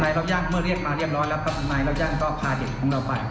รับย่างเมื่อเรียกมาเรียบร้อยแล้วครับทนายรับจ้างก็พาเด็กของเราไป